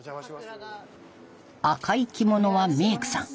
赤い着物はメイクさん。